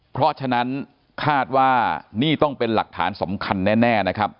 เพราะฉะนั้นคาดว่านี่ต้องเป็นหลักฐานสำคัญแน่นะครับ